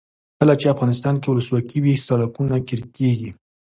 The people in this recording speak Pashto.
کله چې افغانستان کې ولسواکي وي سړکونه قیر کیږي.